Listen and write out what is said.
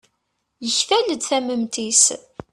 yektal-d tamemt-is